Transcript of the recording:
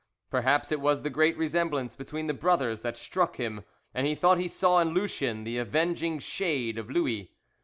Perhaps it was the great resemblance between the brothers that struck him, and he thought he saw in Lucien the avenging shade of Louis.